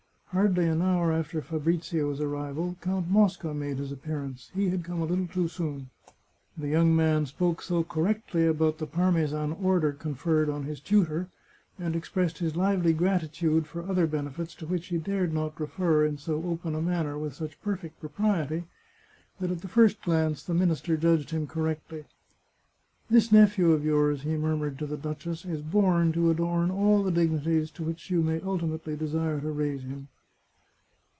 Hardly an hour after Fabrizio's arrival Count Mosca made his appearance ; he had come a little too soon. The young 137 The Chartreuse of Parma man spoke so correctly about the Parmesan order conferred on his tutor, and expressed his lively gratitude for other benefits to which he dared not refer in so open a manner with such perfect propriety, that at the first glance the minister judged him correctly. " This nephew of yours," he murmured to the duchess, " is born to adorn all the dignities to which you may ultimately desire to raise him."